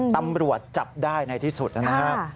ตำรวจจับได้ในที่สุดนะครับ